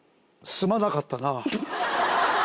すまなかったな。